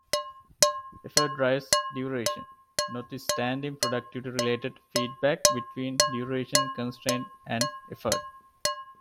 Effort drives duration, notwithstanding productivity-related feedback between duration constraints and effort.